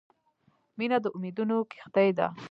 • مینه د امیدونو کښتۍ ده.